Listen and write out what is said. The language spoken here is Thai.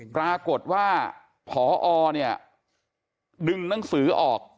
ปรากฏว่าพอเนี่ยดึงหนังสือออก